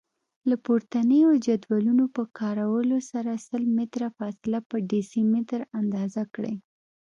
له پورتنیو جدولونو په کارولو سره سل متره فاصله په ډیسي متره اندازه کړئ.